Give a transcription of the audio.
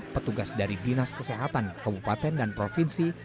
petugas dari dinas kesehatan kabupaten dan provinsi